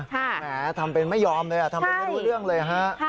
แหมทำเป็นไม่ยอมเลยทำเป็นไม่รู้เรื่องเลยฮะ